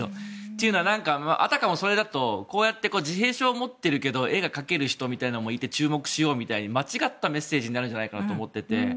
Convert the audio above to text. というのは、あたかもそれだとこうやって自閉症を持っているけど絵が描ける人がいて注目しようみたいに間違ったメッセージになるんじゃないかなと思っていて。